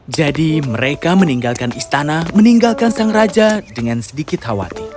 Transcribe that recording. jadi mereka meninggalkan istana meninggalkan sang raja dengan sedikit khawatir